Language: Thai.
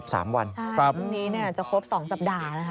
ใช่วันนี้จะครบสองสัปดาห์นะครับ